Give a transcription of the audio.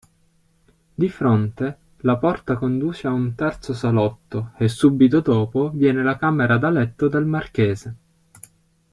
Di fronte, la porta conduce a un terzo salotto e subito dopo viene la camera da letto del marchese.